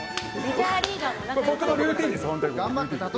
僕のルーティンです。